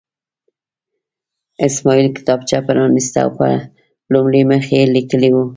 اسماعیل کتابچه پرانسته، په لومړي مخ یې لیکلي وو.